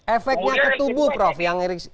efeknya ketubuh prof yang ingin kita ketahui